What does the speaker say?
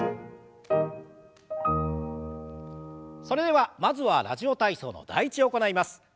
それではまずは「ラジオ体操」の「第１」を行います。